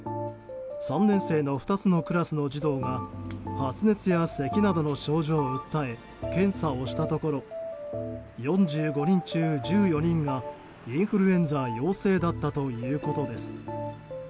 ３年生の２つのクラスの児童が発熱やせきなどの症状を訴え検査をしたところ４５人中１４人がインフルエンザ陽性だったということです。